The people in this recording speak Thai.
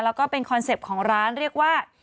แล้วก็เป็นคอนเซ็ปต์ของร้านเรียกว่า